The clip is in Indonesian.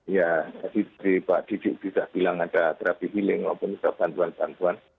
ya tadi pak didik juga bilang ada terapi healing walaupun itu bantuan bantuan